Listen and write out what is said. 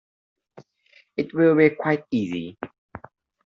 It will be quite easy.